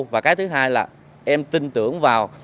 và cái thứ hai là em tin tưởng vào